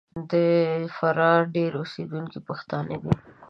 د فراه ډېری اوسېدونکي پښتانه دي.